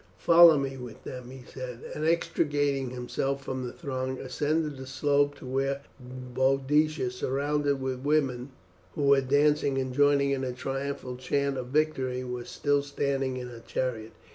"Follow me with them," he said, and, extricating himself from the throng, ascended the slope to where Boadicea, surrounded with women who were dancing and joining in a triumphant chant of victory, was still standing in her chariot.